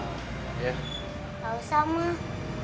gak usah mah